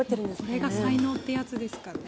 これが才能ってやつですかね。